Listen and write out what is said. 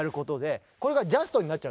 これがジャストになっちゃうと。